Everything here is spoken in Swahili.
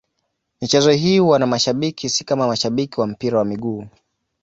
Michezo hii huwa na mashabiki, si kama mashabiki wa mpira wa miguu.